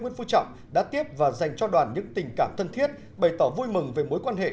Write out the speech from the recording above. nguyễn phú trọng đã tiếp và dành cho đoàn những tình cảm thân thiết bày tỏ vui mừng về mối quan hệ